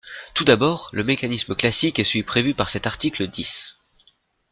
Tout d’abord, le mécanisme classique est celui prévu par cet article dix.